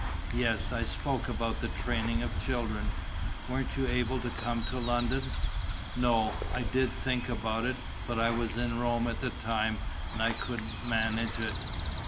"Yes, I spoke about the training of children. Weren't you able to come to London?" "No, I did think about it, but I was in Rome at the time and I couldn't manage it."